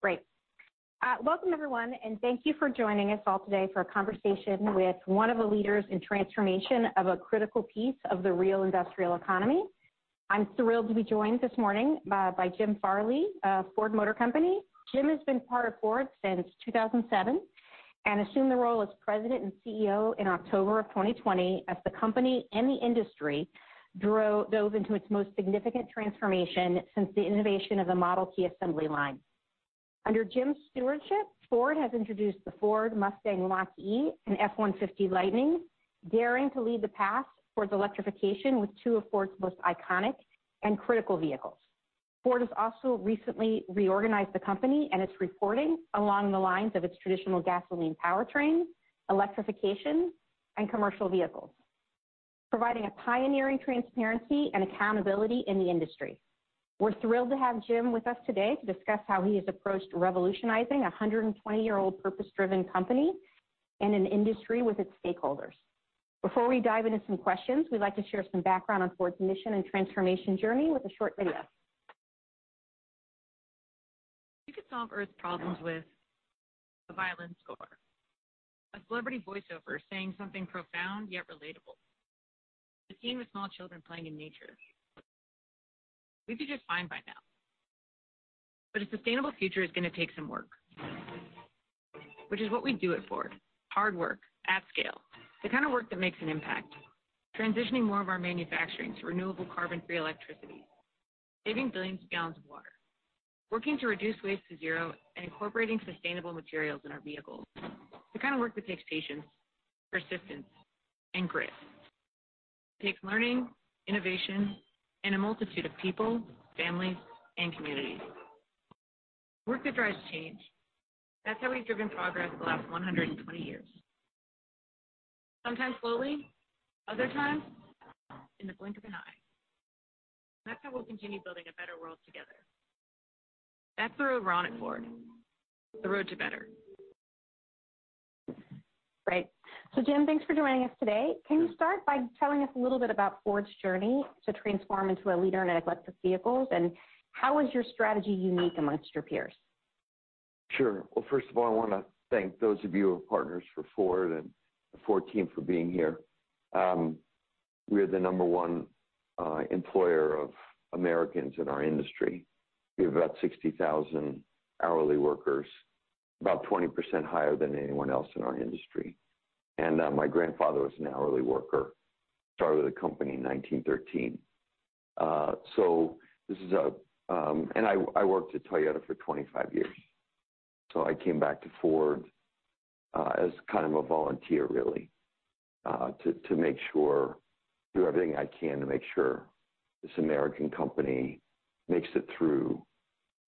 Great. Welcome, everyone, and thank you for joining us all today for a conversation with one of the leaders in transformation of a critical piece of the real industrial economy. I'm thrilled to be joined this morning by Jim Farley of Ford Motor Company. Jim has been part of Ford since 2007, and assumed the role as President and CEO in October of 2020, as the company and the industry dove into its most significant transformation since the innovation of the Model T assembly line. Under Jim's stewardship, Ford has introduced the Ford Mustang Mach-E and F-150 Lightning, daring to lead the path towards electrification with two of Ford's most iconic and critical vehicles. Ford has also recently reorganized the company and its reporting along the lines of its traditional gasoline powertrain, electrification, and commercial vehicles, providing a pioneering transparency and accountability in the industry. We're thrilled to have Jim with us today to discuss how he has approached revolutionizing a 120-year-old purpose-driven company and an industry with its stakeholders. Before we dive into some questions, we'd like to share some background on Ford's mission and transformation journey with a short video. You could solve Earth's problems with a violin score, a celebrity voice-over saying something profound yet relatable. A scene with small children playing in nature. We'd be just fine by now. A sustainable future is going to take some work, which is what we do it for. Hard work at scale, the kind of work that makes an impact. Transitioning more of our manufacturing to renewable, carbon-free electricity, saving billions of gallons of water, working to reduce waste to zero, and incorporating sustainable materials in our vehicles. The kind of work that takes patience, persistence, and grit. It takes learning, innovation, and a multitude of people, families, and communities. Work that drives change. That's how we've driven progress the last 120 years. Sometimes slowly, other times in the blink of an eye. That's how we'll continue building a better world together. That's the road we're on at Ford, The Road to Better. Great. Jim, thanks for joining us today. Can you start by telling us a little bit about Ford's journey to transform into a leader in electric vehicles, and how is your strategy unique amongst your peers? Sure. Well, first of all, I want to thank those of you who are partners for Ford and the Ford team for being here. We are the number one employer of Americans in our industry. We have about 60,000 hourly workers, about 20% higher than anyone else in our industry. My grandfather was an hourly worker, started the company in 1913. I worked at Toyota for 25 years, so I came back to Ford as kind of a volunteer, really, to make sure, do everything I can to make sure this American company makes it through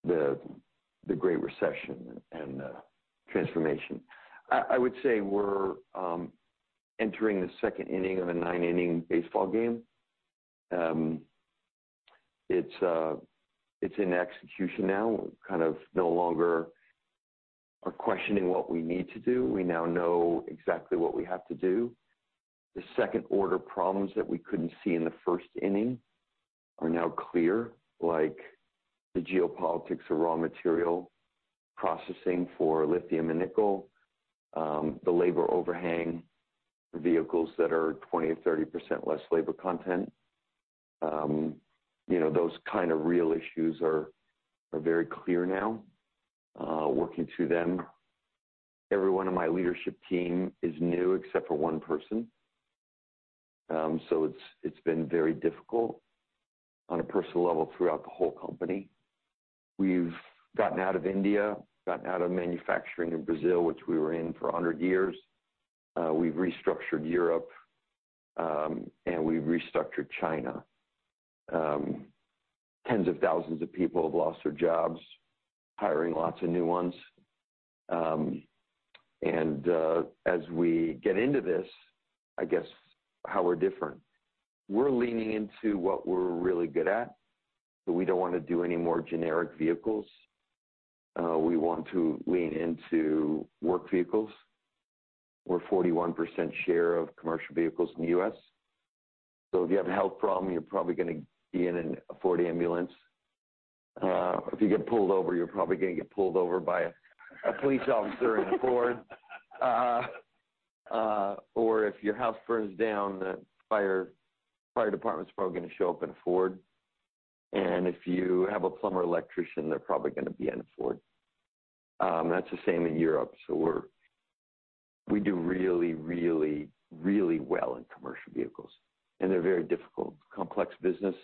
the Great Recession and the transformation. I would say we're entering the second inning of a nine-inning baseball game. It's, it's in execution now, kind of no longer are questioning what we need to do. We now know exactly what we have to do. The second-order problems that we couldn't see in the first inning are now clear, like the geopolitics of raw material processing for lithium and nickel, the labor overhang for vehicles that are 20% or 30% less labor content. You know, those kind of real issues are very clear now, working through them. Every one of my leadership team is new except for one person. It's been very difficult on a personal level throughout the whole company. We've gotten out of India, gotten out of manufacturing in Brazil, which we were in for 100 years. We've restructured Europe. We've restructured China. Tens of thousands of people have lost their jobs, hiring lots of new ones. As we get into this, I guess, how we're different. We're leaning into what we're really good at, but we don't want to do any more generic vehicles. We want to lean into work vehicles. We're 41% share of commercial vehicles in the U.S. If you have a health problem, you're probably going to be in a Ford ambulance. If you get pulled over, you're probably going to get pulled over by a police officer in a Ford. Or if your house burns down, the fire department's probably going to show up in a Ford. If you have a plumber or electrician, they're probably going to be in a Ford. That's the same in Europe. We do really, really, really well in commercial vehicles, and they're a very difficult, complex business.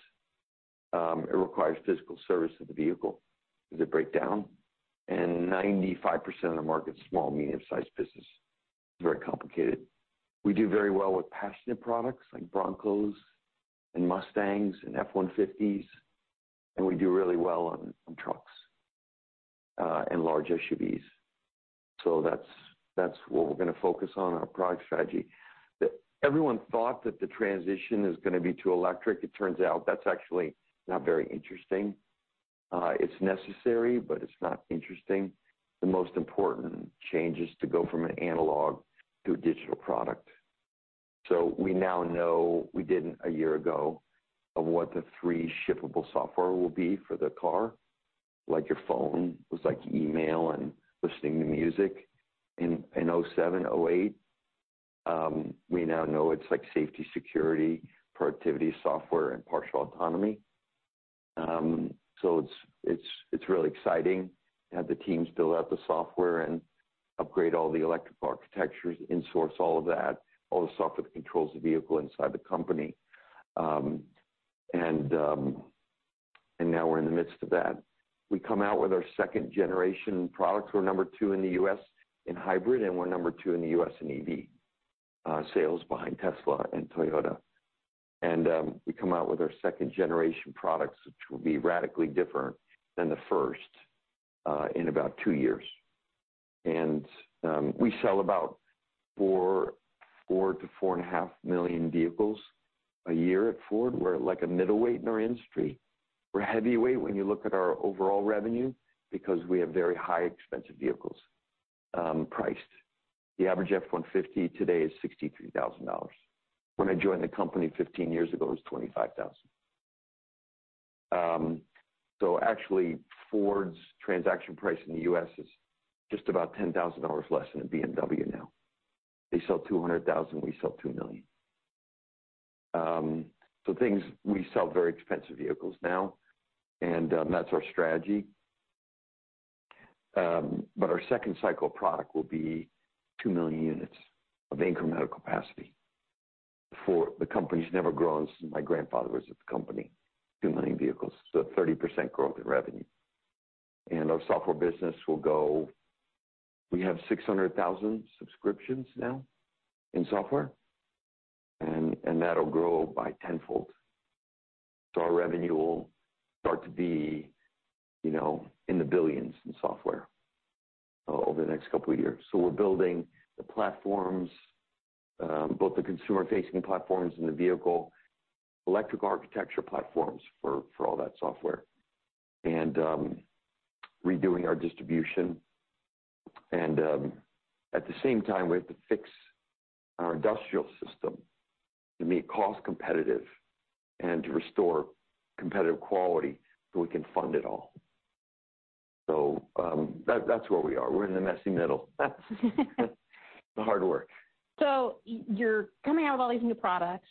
It requires physical service to the vehicle, if they break down, and 95% of the market is small, medium-sized business. It's very complicated. We do very well with passionate products like Broncos and Mustangs and F-150s, and we do really well on trucks and large SUVs. That's what we're going to focus on in our product strategy. Everyone thought that the transition is going to be to electric. It turns out that's actually not very interesting. It's necessary, but it's not interesting. The most important change is to go from an analog to a digital product. We now know, we didn't a year ago, of what the three shippable software will be for the car. Like your phone was like email and listening to music in '07, '08. We now know it's like safety, security, productivity software, and partial autonomy. It's really exciting to have the teams build out the software and upgrade all the electrical architectures, in-source all of that, all the software that controls the vehicle inside the company. Now we're in the midst of that. We come out with our second-generation products. We're number two in the U.S. in hybrid, and we're number two in the U.S. in EV sales, behind Tesla and Toyota. We come out with our second-generation products, which will be radically different than the first in about two years. We sell about 4 million-4.5 million vehicles a year at Ford. We're like a middleweight in our industry. We're a heavyweight when you look at our overall revenue, because we have very high, expensive vehicles, priced. The average F-150 today is $63,000. When I joined the company 15 years ago, it was $25,000. Actually, Ford's transaction price in the U.S. is just about $10,000 less than a BMW now. They sell 200,000, we sell 2 million. We sell very expensive vehicles now, and that's our strategy. Our second cycle product will be 2 million units of incremental capacity, for the company's never grown since my grandfather was at the company, 2 million vehicles, so a 30% growth in revenue. Our software business. We have 600,000 subscriptions now in software, and that'll grow by tenfold. Our revenue will start to be, you know, in the billions in software over the next couple of years. We're building the platforms, both the consumer-facing platforms and the vehicle, electrical architecture platforms for all that software, and redoing our distribution. At the same time, we have to fix our industrial system to be cost competitive and to restore competitive quality so we can fund it all. That's where we are. We're in the messy middle. The hard work. You're coming out with all these new products.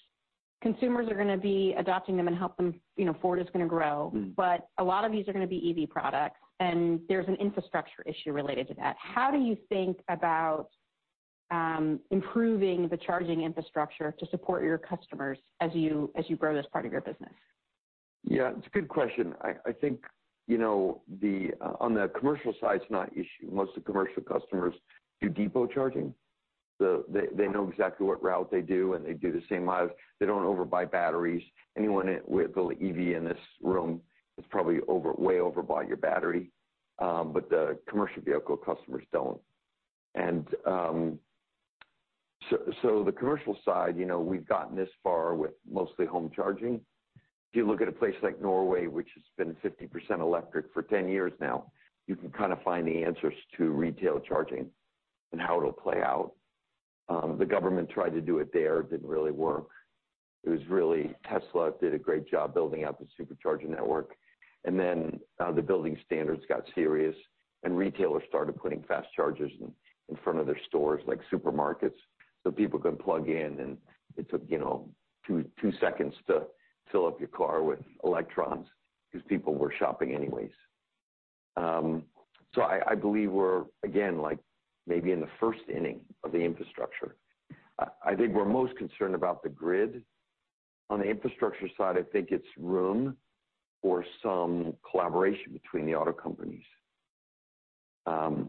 Consumers are going to be adopting them and help them, you know, Ford is going to grow. Mm-hmm. A lot of these are going to be EV products, and there's an infrastructure issue related to that. How do you think about improving the charging infrastructure to support your customers as you grow this part of your business? Yeah, it's a good question. I think, you know, the on the commercial side, it's not an issue. Most of the commercial customers do depot charging. They know exactly what route they do, and they do the same miles. They don't overbuy batteries. Anyone with an EV in this room has probably way overbought your battery, but the commercial vehicle customers don't. The commercial side, you know, we've gotten this far with mostly home charging. If you look at a place like Norway, which has been 50% electric for 10 years now, you can kind of find the answers to retail charging and how it'll play out. The government tried to do it there, it didn't really work. It was really, Tesla did a great job building out the Supercharger network, and then the building standards got serious, and retailers started putting fast chargers in front of their stores, like supermarkets, so people could plug in, and it took, you know, two seconds to fill up your car with electrons because people were shopping anyways. I believe we're, again, like, maybe in the first inning of the infrastructure. I think we're most concerned about the grid. On the infrastructure side, I think it's room for some collaboration between the auto companies,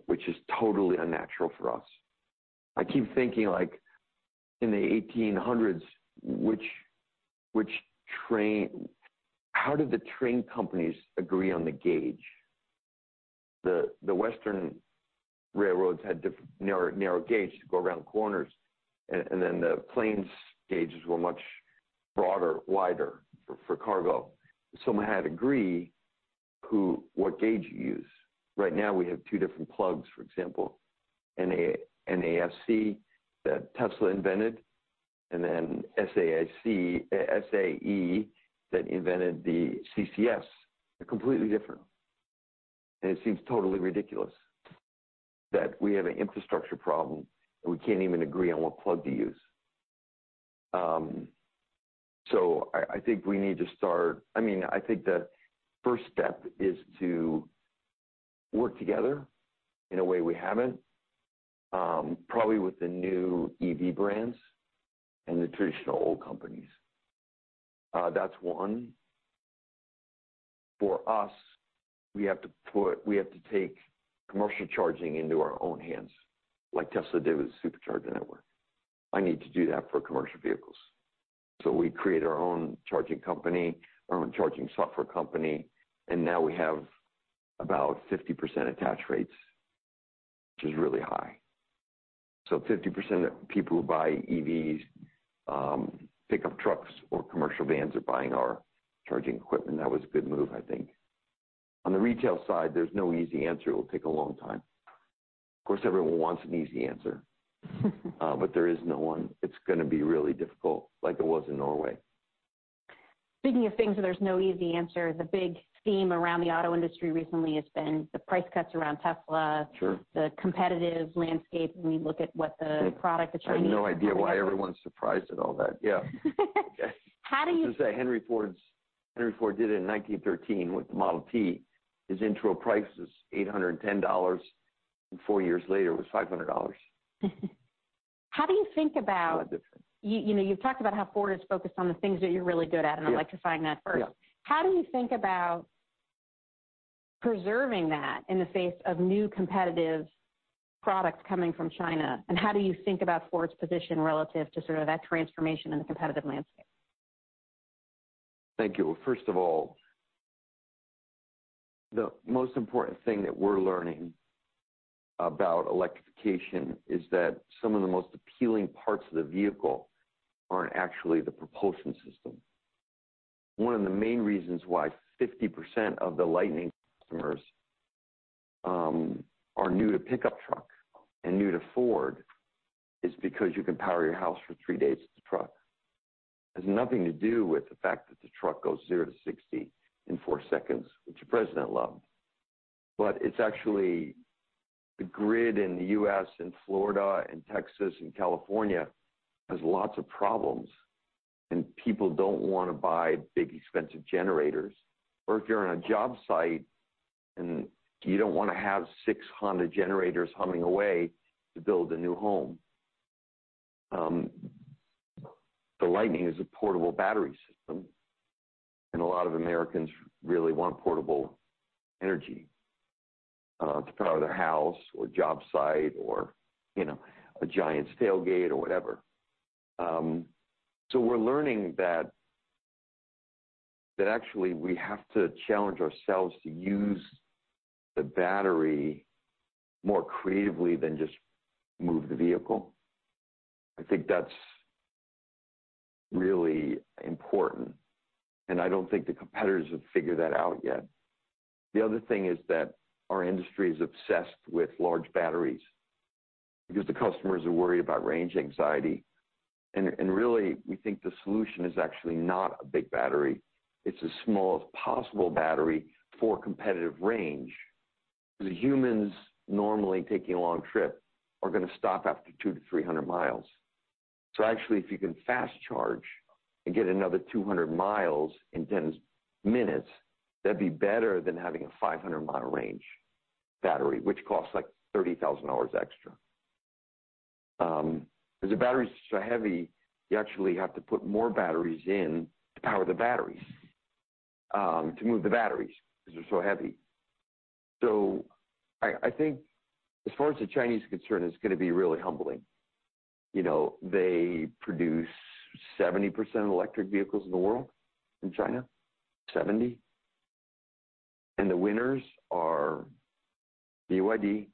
which is totally unnatural for us. I keep thinking, like, in the 1800s, which train. How did the train companies agree on the gauge? The western railroads had narrow gauge to go around corners, and then the plains gauges were much broader, wider for cargo. Someone had to agree who, what gauge you use. Right now, we have two different plugs, for example, NACS that Tesla invented, and then SAE, that invented the CCS. They're completely different, it seems totally ridiculous that we have an infrastructure problem, and we can't even agree on what plug to use. I mean, I think the first step is to work together in a way we haven't, probably with the new EV brands and the traditional old companies. That's one. For us, we have to take commercial charging into our own hands, like Tesla did with the Supercharger network. I need to do that for commercial vehicles. We create our own charging company, our own charging software company, and now we have about 50% attach rates, which is really high. 50% of people who buy EVs, pickup trucks or commercial vans are buying our charging equipment. That was a good move, I think. On the retail side, there's no easy answer. It will take a long time. Of course, everyone wants an easy answer, but there is no one. It's going to be really difficult, like it was in Norway. Speaking of things where there's no easy answer, the big theme around the auto industry recently has been the price cuts around Tesla. Sure. the competitive landscape, when we look at what the product that you need. I have no idea why everyone's surprised at all that. Yeah. How do you- I was going to say, Henry Ford did it in 1913 with the Model T. His intro price was $810, and four years later, it was $500. How do you think about? What a difference. You, you know, you've talked about how Ford is focused on the things that you're really good at- Yeah. Electrifying that first. Yeah. How do you think about preserving that in the face of new competitive products coming from China? How do you think about Ford's position relative to sort of that transformation in the competitive landscape? Thank you. Well, first of all, the most important thing that we're learning about electrification is that some of the most appealing parts of the vehicle aren't actually the propulsion system. One of the main reasons why 50% of the Lightning customers, are new to pickup truck and new to Ford, is because you can power your house for three days with the truck. It has nothing to do with the fact that the truck goes 0 to 60 in four seconds, which the President loved. It's actually the grid in the U.S., and Florida, and Texas, and California, has lots of problems, and people don't want to buy big, expensive generators. If you're on a job site and you don't want to have six Honda generators humming away to build a new home, the Lightning is a portable battery system, and a lot of Americans really want portable energy to power their house, or job site or, you know, a giant tailgate or whatever. We're learning that actually we have to challenge ourselves to use the battery more creatively than just move the vehicle. I think that's really important, and I don't think the competitors have figured that out yet. The other thing is that our industry is obsessed with large batteries because the customers are worried about range anxiety, and really, we think the solution is actually not a big battery. It's the smallest possible battery for competitive range. The humans normally taking a long trip are going to stop after 200-300 miles. Actually, if you can fast charge and get another 200 miles in 10 minutes, that'd be better than having a 500-mile range battery, which costs, like, $30,000 extra. Because the battery is so heavy, you actually have to put more batteries in to power the batteries, to move the batteries because they're so heavy. I think as far as the Chinese are concerned, it's going to be really humbling. You know, they produce 70% of electric vehicles in the world, in China, 70, The winners are BYD,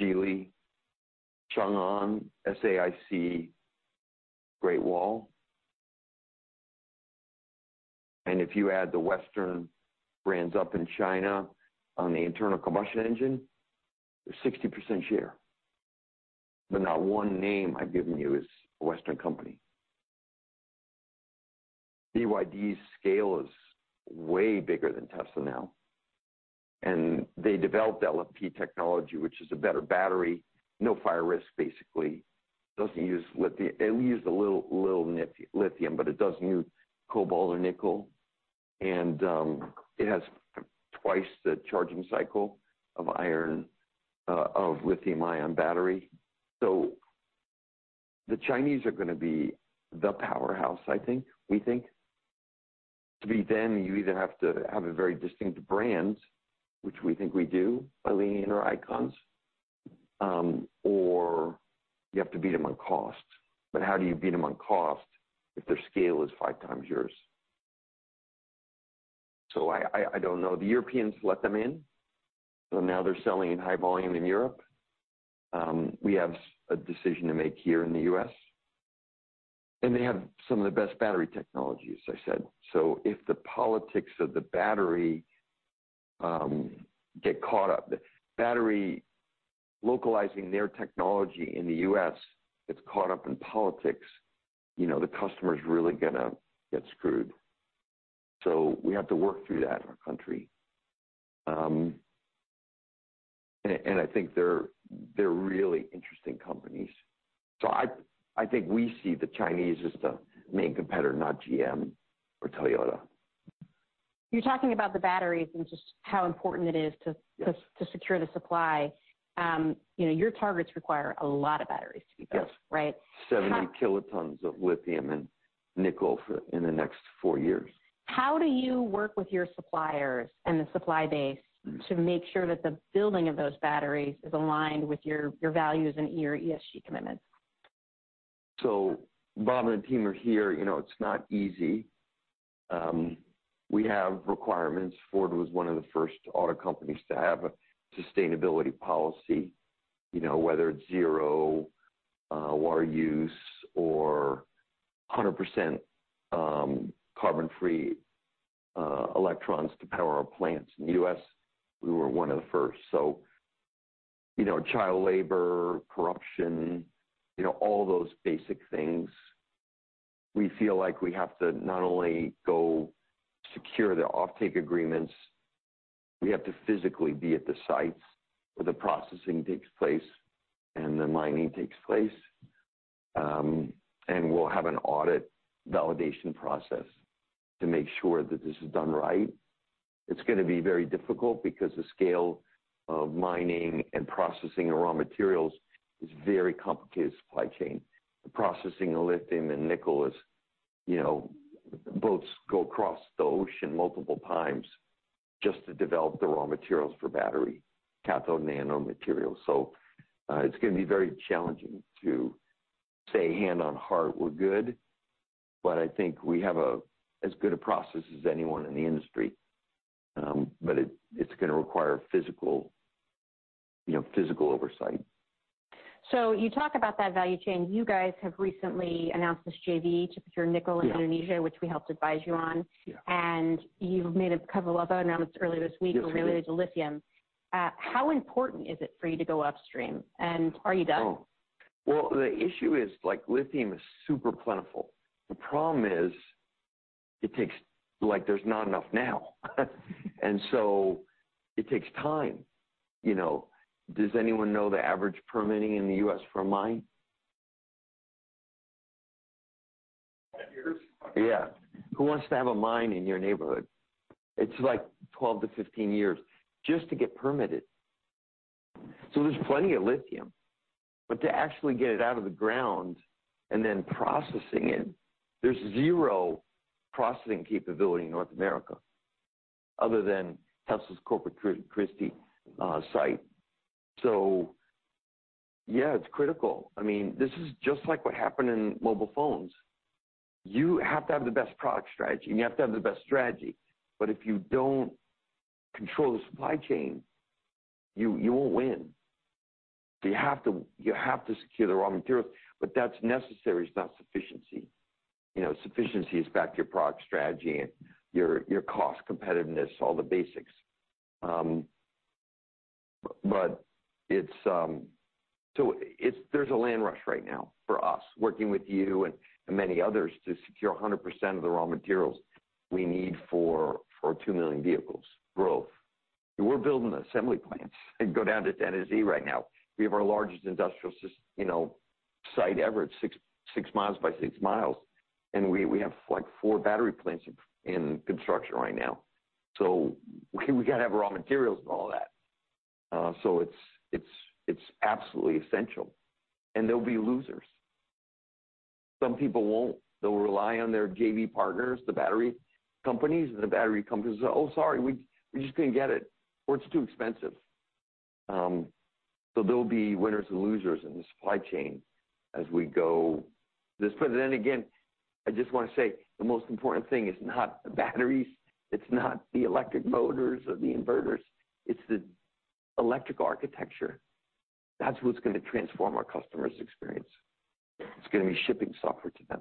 Geely, Changan, SAIC, Great Wall. If you add the Western brands up in China on the internal combustion engine, there's 60% share, Not one name I've given you is a Western company. BYD's scale is way bigger than Tesla now. They developed LFP technology, which is a better battery, no fire risk, basically. Doesn't use lithium. It uses a little lithium, it doesn't use cobalt or nickel. It has twice the charging cycle of lithium-ion battery. The Chinese are going to be the powerhouse, I think, we think. To beat them, you either have to have a very distinct brand, which we think we do by leaning into our icons, or you have to beat them on cost. How do you beat them on cost if their scale is five times yours? I don't know. The Europeans let them in, now they're selling in high volume in Europe. We have a decision to make here in the U.S. They have some of the best battery technology, as I said. If the politics of the battery get caught up, the battery localizing their technology in the U.S., it's caught up in politics, you know, the customer is really going to get screwed. We have to work through that in our country. And I think they're really interesting companies. I think we see the Chinese as the main competitor, not GM or Toyota. You're talking about the batteries and just how important it is. Yes. To secure the supply. You know, your targets require a lot of batteries to be built. Yes. Right? 70 kilotons of lithium and nickel for, in the next four years. How do you work with your suppliers and the supply base to make sure that the building of those batteries is aligned with your values and your ESG commitments? Bob and the team are here. You know, it's not easy. We have requirements. Ford was one of the first auto companies to have a sustainability policy, you know, whether it's zero water use or 100% carbon-free electrons to power our plants. In the U.S., we were one of the first. You know, child labor, corruption, you know, all those basic things, we feel like we have to not only go secure the offtake agreements, we have to physically be at the sites where the processing takes place and the mining takes place. We'll have an audit validation process to make sure that this is done right. It's going to be very difficult because the scale of mining and processing the raw materials is a very complicated supply chain. The processing of lithium and nickel is, you know, boats go across the ocean multiple times just to develop the raw materials for battery, cathode nano materials. It's going to be very challenging to say, hand on heart, we're good, but I think we have a, as good a process as anyone in the industry. It's going to require physical, you know, physical oversight. You talk about that value chain. You guys have recently announced this JV to procure nickel in Indonesia. Yeah. which we helped advise you on. Yeah. You've made a couple of other announcements earlier this week. Yes, we did. related to lithium. How important is it for you to go upstream, and are you done? Well, the issue is, like, lithium is super plentiful. The problem is, like, there's not enough now. It takes time, you know. Does anyone know the average permitting in the U.S. for a mine? Years. Yeah. Who wants to have a mine in your neighborhood? It's like 12 to 15 years just to get permitted. There's plenty of lithium, but to actually get it out of the ground and then processing it, there's zero processing capability in North America other than Tesla's Corpus Christi site. Yeah, it's critical. I mean, this is just like what happened in mobile phones. You have to have the best product strategy, you have to have the best strategy, if you don't control the supply chain, you won't win. You have to secure the raw materials, that's necessary. It's not sufficiency. You know, sufficiency is back to your product strategy and your cost competitiveness, all the basics. There's a land rush right now for us, working with you and many others to secure 100% of the raw materials we need for 2 million vehicles growth. We're building assembly plants and go down to Tennessee right now. We have our largest industrial, you know, site ever. It's 6 miles by 6 miles, and we have, like, four battery plants in construction right now. We got to have raw materials and all that. It's absolutely essential, and there'll be losers. Some people won't. They'll rely on their JV partners, the battery companies, and the battery companies will say, "Oh, sorry, we just couldn't get it," or, "It's too expensive." There'll be winners and losers in the supply chain as we go. Again, I just want to say, the most important thing is not the batteries, it's not the electric motors or the inverters. It's the electric architecture. That's what's going to transform our customers' experience. It's going to be shipping software to them.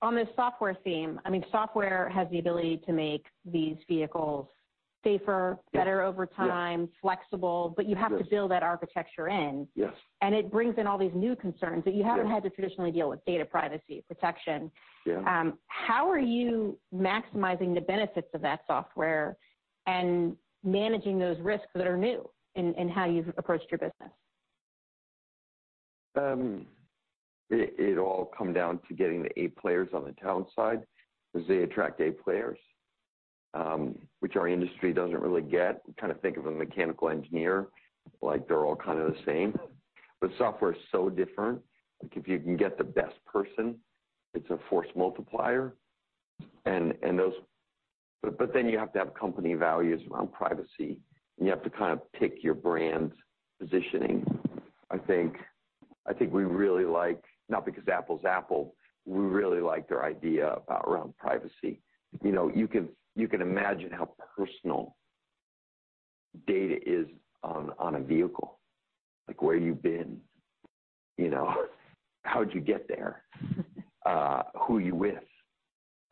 On this software theme, I mean, software has the ability to make these vehicles safer. Yes. better over time. Yes. flexible, but you have- Yes. to build that architecture in. Yes. It brings in all these new concerns. Yes. that you haven't had to traditionally deal with: data privacy, protection. Yeah. How are you maximizing the benefits of that software and managing those risks that are new in how you've approached your business? it all come down to getting the A players on the talent side, because they attract A players, which our industry doesn't really get. We kind of think of a mechanical engineer, like they're all kind of the same. Software is so different. Like, if you can get the best person, it's a force multiplier. You have to have company values around privacy, and you have to kind of pick your brand's positioning. I think we really like, not because Apple's Apple, we really like their idea about around privacy. You know, you can imagine how personal data is on a vehicle. Like, where you've been, you know, how'd you get there? Who you with?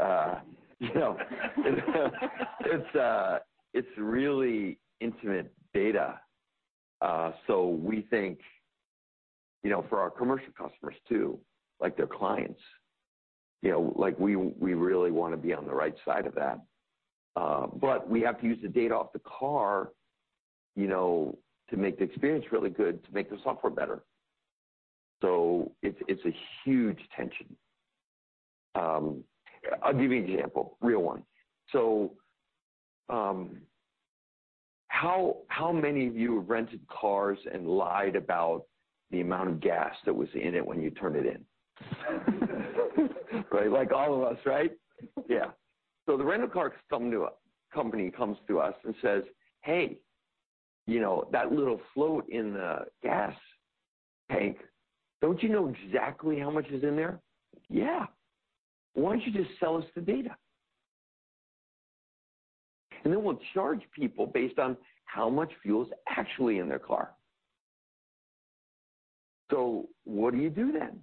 You know, it's really intimate data. we think, you know, for our commercial customers, too, like their clients, you know, like, we really want to be on the right side of that. But we have to use the data off the car, you know, to make the experience really good, to make the software better. It's a huge tension. I'll give you an example, a real one. How many of you have rented cars and lied about the amount of gas that was in it when you turned it in? Right. Like, all of us, right? Yeah. The rental car company comes to us and says, "Hey, you know, that little float in the gas tank, don't you know exactly how much is in there?" "Yeah." "Why don't you just sell us the data?"... We'll charge people based on how much fuel is actually in their car. What do you do then?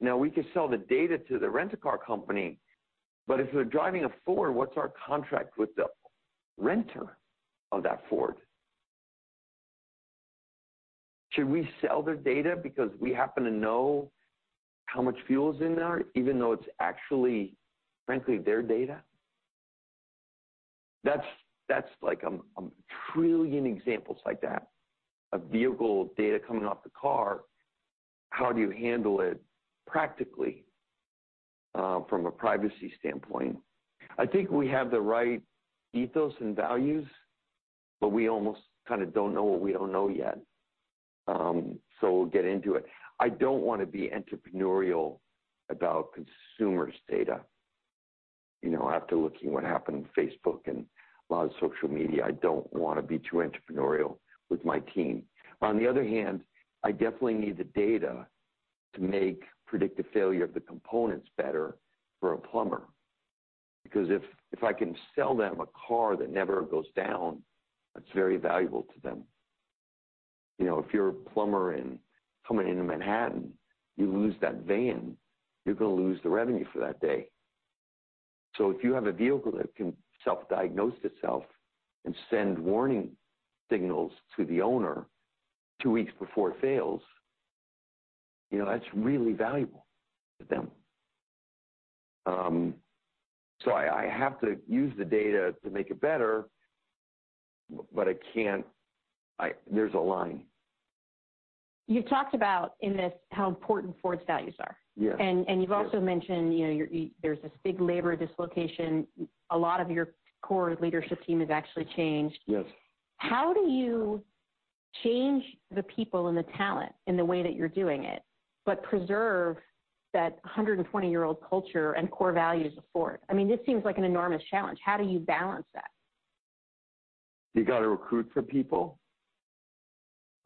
Now, we can sell the data to the rent-a-car company. If they're driving a Ford, what's our contract with the renter of that Ford? Should we sell their data because we happen to know how much fuel is in there, even though it's actually, frankly, their data? That's like 1 trillion examples like that, of vehicle data coming off the car, how do you handle it practically from a privacy standpoint? I think we have the right ethos and values. We almost kind of don't know what we don't know yet. We'll get into it. I don't want to be entrepreneurial about consumers' data. You know, after looking what happened in Facebook and a lot of social media, I don't want to be too entrepreneurial with my team. On the other hand, I definitely need the data to make predictive failure of the components better for a plumber, because if I can sell them a car that never goes down, that's very valuable to them. You know, if you're a plumber and coming into Manhattan, you lose that van, you're going to lose the revenue for that day. If you have a vehicle that can self-diagnose itself and send warning signals to the owner two weeks before it fails, you know, that's really valuable to them. I have to use the data to make it better, but I can't... there's a line. You've talked about, in this, how important Ford's values are. Yes. You've also mentioned, you know, there's this big labor dislocation. A lot of your core leadership team has actually changed. Yes. How do you change the people and the talent in the way that you're doing it, but preserve that 120-year-old culture and core values of Ford? I mean, this seems like an enormous challenge. How do you balance that? You got to recruit for people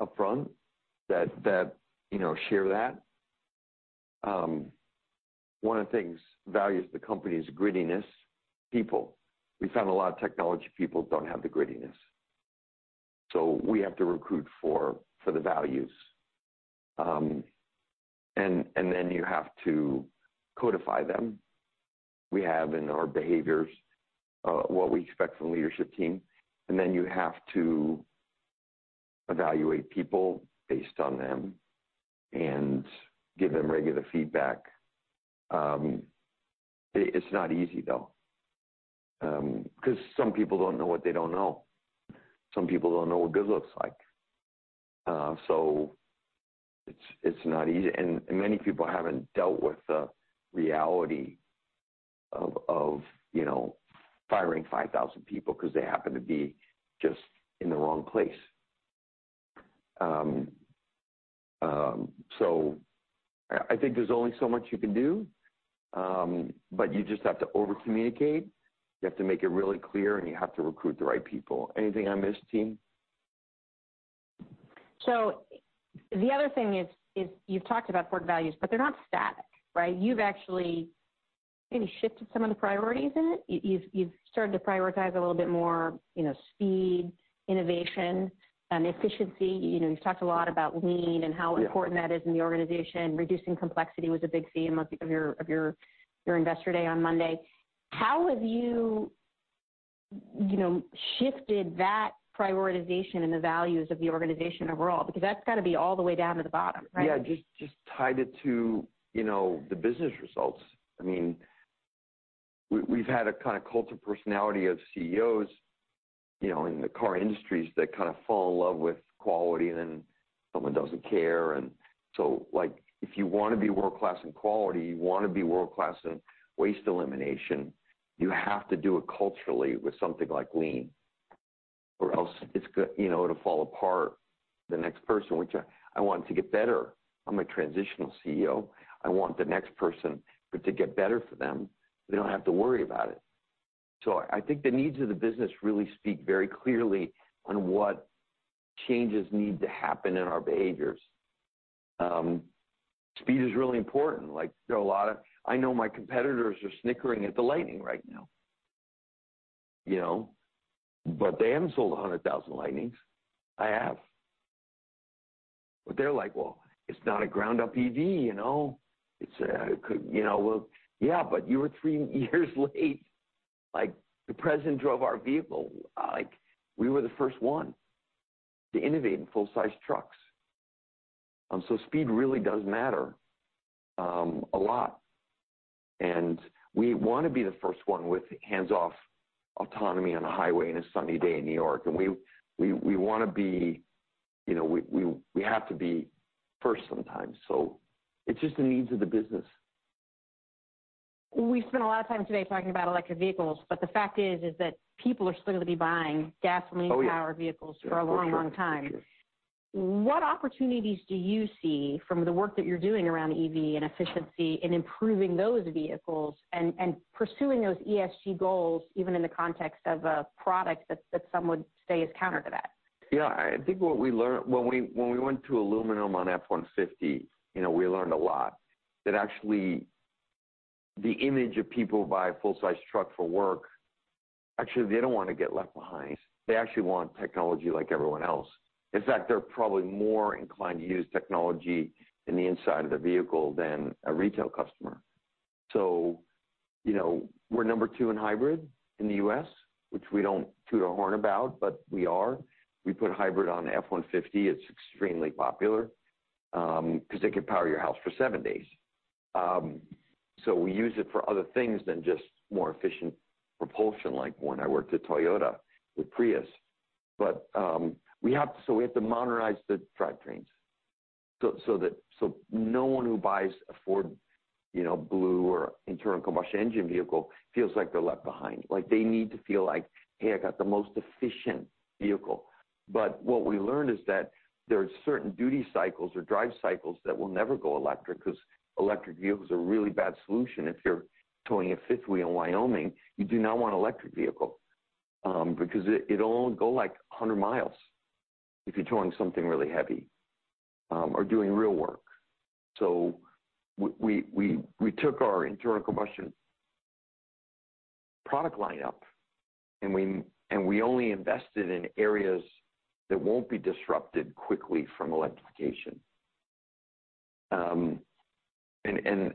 upfront that, you know, share that. One of the things, values of the company is grittiness. People. We found a lot of technology people don't have the grittiness, so we have to recruit for the values. Then you have to codify them. We have in our behaviors, what we expect from leadership team, and then you have to evaluate people based on them and give them regular feedback. It's not easy, though, because some people don't know what they don't know. Some people don't know what good looks like. It's not easy, and many people haven't dealt with the reality of, you know, firing 5,000 people because they happen to be just in the wrong place. I think there's only so much you can do, but you just have to overcommunicate, you have to make it really clear, and you have to recruit the right people. Anything I missed, team? The other thing is, you've talked about core values, but they're not static, right? You've actually maybe shifted some of the priorities in it. You've started to prioritize a little bit more, you know, speed, innovation, and efficiency. You know, you've talked a lot about lean. Yes How important that is in the organization. Reducing complexity was a big theme of your investor day on Monday. How have you know, shifted that prioritization and the values of the organization overall? That's got to be all the way down to the bottom, right? Yeah. Just tied it to, you know, the business results. I mean, we've had a kind of cult of personality as CEOs, you know, in the car industries, that kind of fall in love with quality and then someone doesn't care, and so, like, if you want to be world-class in quality, you want to be world-class in waste elimination, you have to do it culturally with something like lean, or else it's you know, it'll fall apart the next person, which I want to get better. I'm a transitional CEO. I want the next person, but to get better for them, they don't have to worry about it. I think the needs of the business really speak very clearly on what changes need to happen in our behaviors. Speed is really important, like, there are a lot of... I know my competitors are snickering at the Lightning right now, you know, but they haven't sold 100,000 Lightnings. I have. They're like, "Well, it's not a ground-up EV, you know? It's a, could, you know..." Well, yeah, you were three years late. The President drove our vehicle. We were the first one to innovate in full-size trucks. Speed really does matter, a lot, and we want to be the first one with hands-off autonomy on a highway on a sunny day in New York. We want to be, you know, we have to be first sometimes, it's just the needs of the business. We've spent a lot of time today talking about electric vehicles, the fact is that people are still going to be buying gasoline-powered- Oh, yeah. vehicles for a long, long time. Yes. What opportunities do you see from the work that you're doing around EV and efficiency in improving those vehicles and pursuing those ESG goals, even in the context of a product that some would say is counter to that? Yeah, I think what we learned when we went to aluminum on F-150, you know, we learned a lot. Actually, the image of people who buy a full-size truck for work, actually, they don't want to get left behind. They actually want technology like everyone else. In fact, they're probably more inclined to use technology in the inside of their vehicle than a retail customer. You know, we're number two in hybrid in the U.S., which we don't toot our horn about, but we are. We put hybrid on F-150. It's extremely popular, 'cause it can power your house for seven days. We use it for other things than just more efficient propulsion, like when I worked at Toyota with Prius. We have to modernize the drivetrains so that no one who buys a Ford, you know, Ford Blue or internal combustion engine vehicle feels like they're left behind. Like, they need to feel like, "Hey, I got the most efficient vehicle." What we learned is that there are certain duty cycles or drive cycles that will never go electric, 'cause electric vehicles are a really bad solution. If you're towing a fifth wheel in Wyoming, you do not want an electric vehicle, because it'll only go, like, 100 miles if you're towing something really heavy, or doing real work. We took our internal combustion product lineup, and we only invested in areas that won't be disrupted quickly from electrification.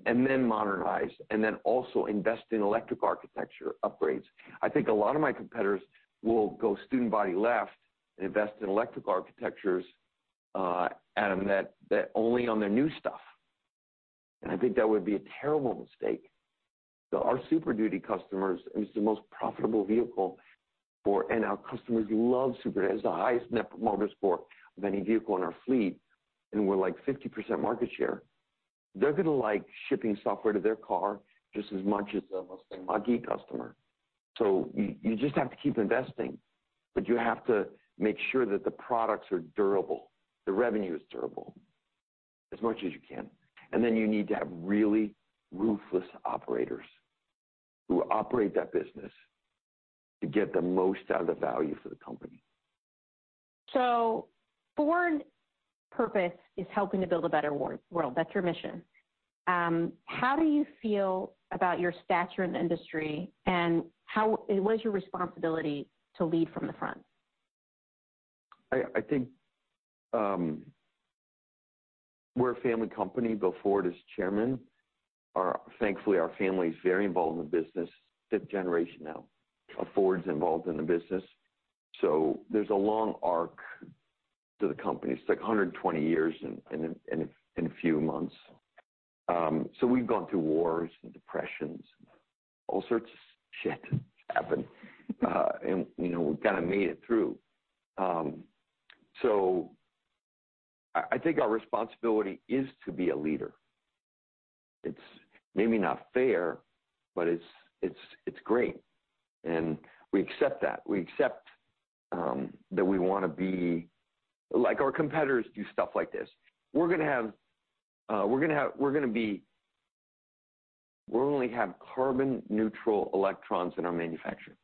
And then modernize, and then also invest in electric architecture upgrades. I think a lot of my competitors will go student body left and invest in electric architectures, Adam, that only on their new stuff, and I think that would be a terrible mistake. Our Super Duty customers, it's the most profitable vehicle for. Our customers love Super Duty. It has the highest Net Promoter Score of any vehicle in our fleet, and we're, like, 50% market share. They're going to like shipping software to their car just as much as a Mustang Mach-E customer. You just have to keep investing, but you have to make sure that the products are durable, the revenue is durable, as much as you can. You need to have really ruthless operators who operate that business to get the most out of the value for the company. Ford purpose is helping to build a better world. That's your mission. How do you feel about your stature in the industry, and what is your responsibility to lead from the front? I think we're a family company. Bill Ford is chairman. Thankfully, our family is very involved in the business, fifth generation now, of Fords involved in the business. There's a long arc to the company. It's, like, 120 years in a few months. We've gone through wars and depressions, all sorts of shit happened. You know, we've kind of made it through. I think our responsibility is to be a leader. It's maybe not fair, but it's great. We accept that. We accept that we want to be... Like our competitors do stuff like this: "We'll only have carbon neutral electrons in our manufacturing."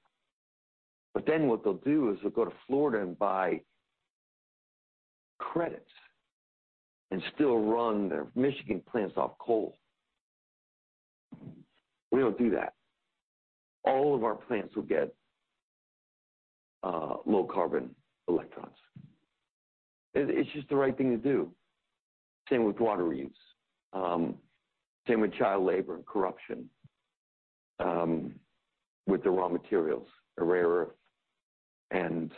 What they'll do is they'll go to Florida and buy credits and still run their Michigan plants off coal. We don't do that. All of our plants will get low carbon electrons. It's just the right thing to do. Same with water reuse, same with child labor and corruption, with the raw materials, the rare earth.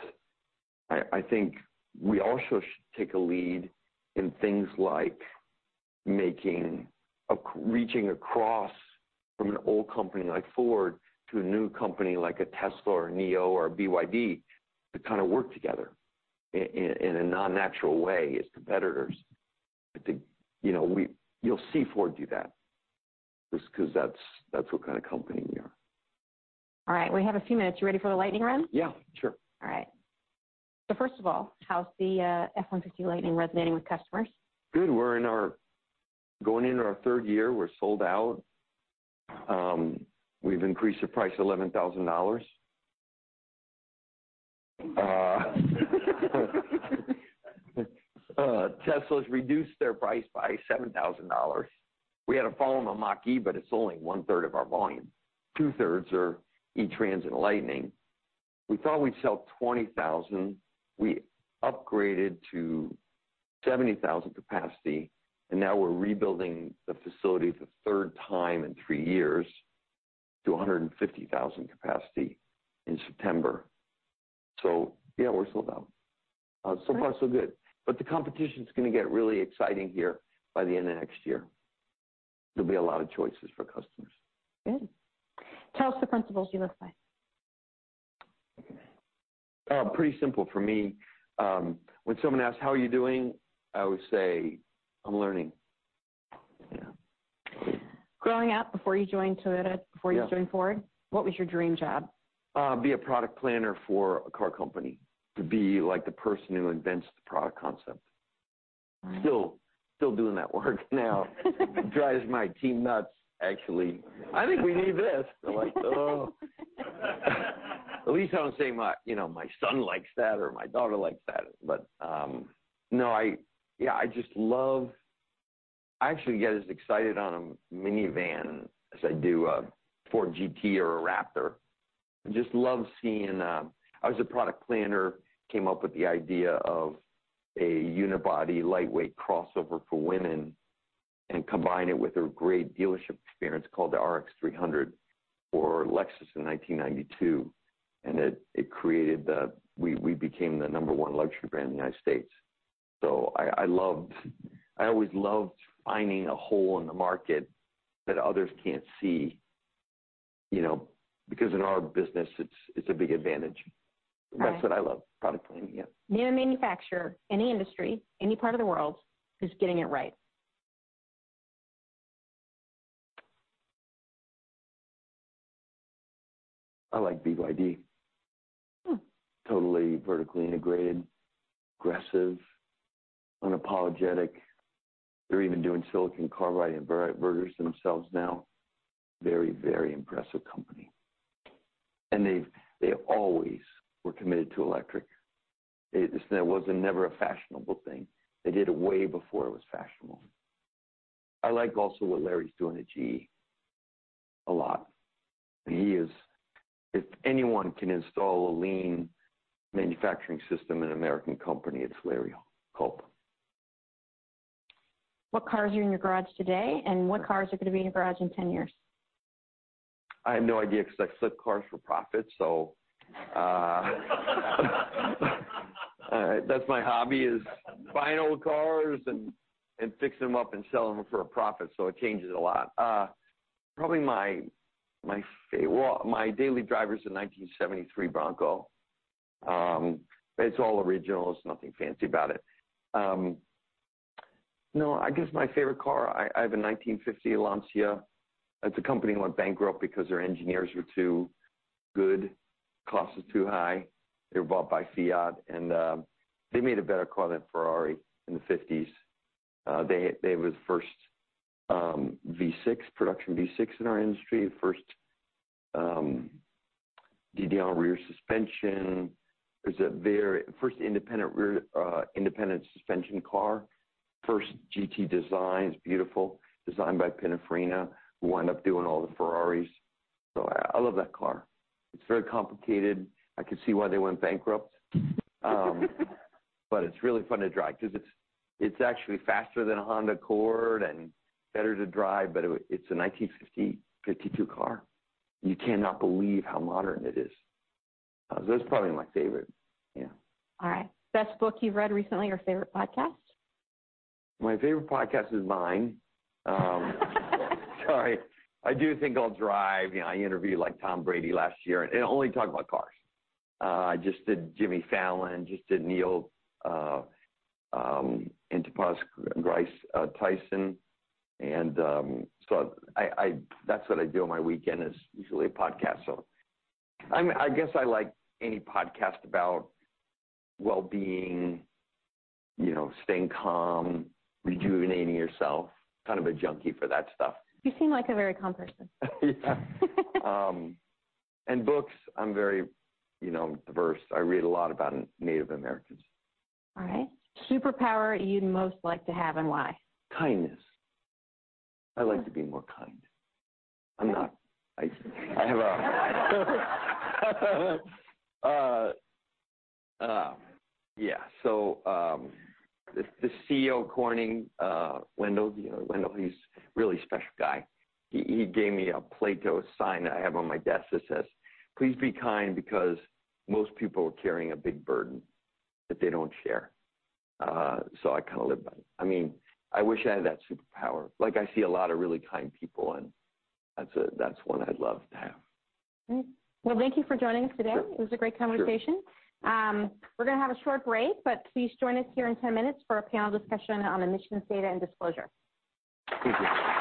I think we also should take a lead in things like reaching across from an old company like Ford to a new company like a Tesla or a NIO or a BYD, to kind of work together in a non-natural way as competitors. I think, you know, you'll see Ford do that, just because that's what kind of company we are. All right. We have a few minutes. You ready for the lightning round? Yeah, sure. All right. First of all, how's the F-150 Lightning resonating with customers? Good. We're going into our third year, we're sold out. We've increased the price to $11,000. Tesla's reduced their price by $7,000. We had to follow them on Mach-E, it's only one-third of our volume. Two-thirds are E-Transit Lightning. We thought we'd sell 20,000. We upgraded to 70,000 capacity, now we're rebuilding the facility for the third time in three years to 150,000 capacity in September. Yeah, we're sold out. So far, so good. The competition's going to get really exciting here by the end of next year. There'll be a lot of choices for customers. Good. Tell us the principles you live by. Pretty simple for me. When someone asks, "How are you doing?" I always say, "I'm learning." Yeah. Growing up, before you joined Toyota- Yeah. Before you joined Ford, what was your dream job? be a product planner for a car company, to be, like, the person who invents the product concept. Still doing that work now. It drives my team nuts, actually. "I think we need this." They're like, "Oh!" At least I don't say my, you know, my son likes that or my daughter likes that. no, I actually get as excited on a minivan as I do a Ford GT or a Raptor. I just love seeing. I was a product planner, came up with the idea of a unibody, lightweight crossover for women, and combine it with a great dealership experience called the RX 300 for Lexus in 1992. it created the- we became the number one luxury brand in the United States. I always loved finding a hole in the market that others can't see, you know, because in our business, it's a big advantage. Right. That's what I love, product planning. Yeah. Name a manufacturer, any industry, any part of the world, who's getting it right? I like BYD. Hmm. Totally vertically integrated, aggressive, unapologetic. They're even doing silicon carbide inverters themselves now. Very, very impressive company. They always were committed to electric. This wasn't never a fashionable thing. They did it way before it was fashionable. I like also what Larry's doing at GE a lot. If anyone can install a lean manufacturing system in an American company, it's Larry Culp. What cars are in your garage today, and what cars are going to be in your garage in 10 years? I have no idea, because I flip cars for profit. That's my hobby, is buying old cars and fixing them up and selling them for a profit. It changes a lot. Well, my daily driver is a 1973 Bronco. It's all original. There's nothing fancy about it. No, I guess my favorite car, I have a 1950 Lancia. It's a company that went bankrupt because their engineers were too good. Cost was too high. They were bought by Fiat. They made a better car than Ferrari in the '50s. They were the first V6, production V6 in our industry, the first DDR rear suspension. It was a first independent rear, independent suspension car, first GT design. It's beautiful. Designed by Pininfarina, who wound up doing all the Ferraris. I love that car. It's very complicated. I could see why they went bankrupt. It's really fun to drive because it's actually faster than a Honda Accord and better to drive, but it's a 1952 car. You cannot believe how modern it is. That's probably my favorite. All right. Best book you've read recently or favorite podcast? My favorite podcast is mine. Sorry. I do think I'll drive. You know, I interviewed, like, Tom Brady last year, and only talk about cars. I just did Jimmy Fallon, just did Neil, and Tyson Gracie, Tyson. So I. That's what I do on my weekend, is usually a podcast. I guess I like any podcast about well-being, you know, staying calm, rejuvenating yourself. Kind of a junkie for that stuff. You seem like a very calm person. Yeah. Books, I'm very, you know, diverse. I read a lot about Native Americans. All right. Superpower you'd most like to have, and why? Kindness. Hmm. I'd like to be more kind. I have. Yeah. The CEO of Corning, Wendell, you know Wendell, he's a really special guy. He gave me a Plato sign that I have on my desk that says, "Please be kind because most people are carrying a big burden that they don't share." I kind of live by it. I mean, I wish I had that superpower. Like, I see a lot of really kind people, and that's one I'd love to have. Well, thank you for joining us today. Sure. It was a great conversation. Sure. We're going to have a short break. Please join us here in ten minutes for a panel discussion on emissions data and disclosure. Thank you.